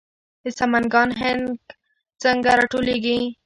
د سمنګان هنګ څنګه راټولیږي؟